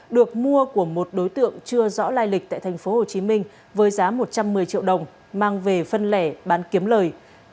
được mua của một đối tượng chưa rõ lai lịch tại tp hcm với giá một trăm một mươi triệu đồng mang về phân lẻ bán kiếm lời